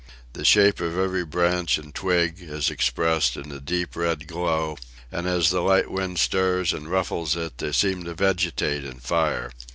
The shape of every branch and twig is expressed in a deep red glow, and as the light wind stirs and ruffles it, they seem to vegetate in fire.